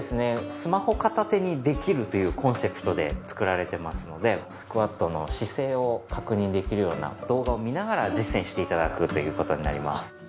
スマホ片手にできるというコンセプトで作られてますのでスクワットの姿勢を確認できるような動画を見ながら実践して頂くという事になります。